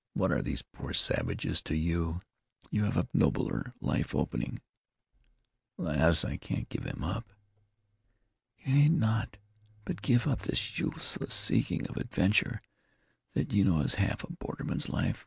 What are those poor savages to you? You have a better, nobler life opening." "Lass, I can't give him up." "You need not; but give up this useless seeking of adventure. That, you know, is half a borderman's life.